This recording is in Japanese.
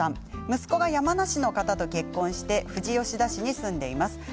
息子が山梨の方と結婚して富士吉田市に住んでいます。